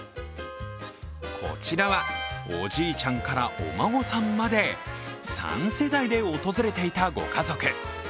こちらは、おじいちゃんからお孫さんまで３世代で訪れていたご家族。